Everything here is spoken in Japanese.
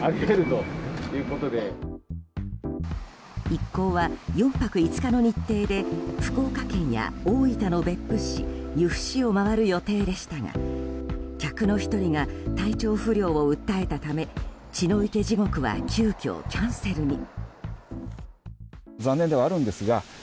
一行は４泊５日の日程で福岡県や、大分の別府市由布市を回る予定でしたが客の１人が体調不良を訴えたため血の池地獄は急きょ、キャンセルに。